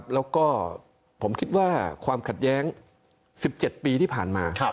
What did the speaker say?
แล้วก็ผมคิดว่าความขัดแย้ง๑๗ปีที่ผ่านมา